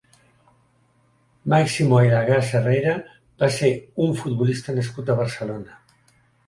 Máximo Aylagas Herrera va ser un futbolista nascut a Barcelona.